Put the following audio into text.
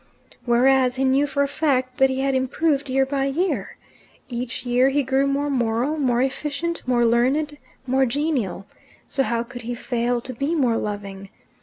Whereas he knew for a fact that he had improved, year by year. Each year be grew more moral, more efficient, more learned, more genial. So how could he fail to be more loving?